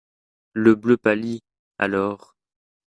Le bleu pâlit… alors…